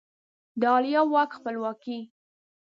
د عالیه واک خپلواکي